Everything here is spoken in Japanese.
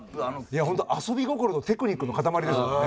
いやホント遊び心とテクニックの塊ですもんね。